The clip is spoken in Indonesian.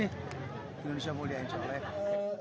indonesia mulia insya allah